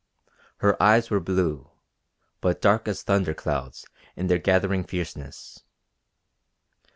Her eyes were blue, but dark as thunder clouds in their gathering fierceness.